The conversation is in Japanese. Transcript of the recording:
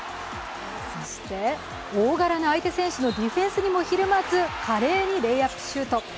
そして、大柄な相手選手のディフェンスにもひるまず華麗にレイアップシュート。